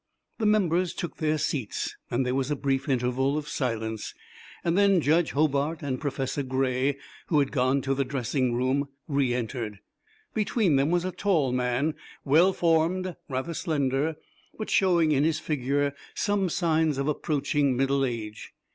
The members took their seats, and there was a brief interval of silence. Then Judge Hobart and Professor Gray, who had gone to the dressing room, reëntered. Between them was a tall man, well formed, rather slender, but showing in his figure some signs of approaching middle age.